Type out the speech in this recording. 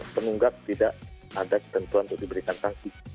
penunggak tidak ada ketentuan untuk diberikan sanksi